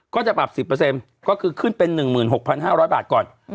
ก็จะปรับ๑๐ก็คือขึ้นเป็น๑๖๕๐๐บาทก่อน